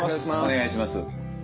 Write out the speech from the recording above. お願いします。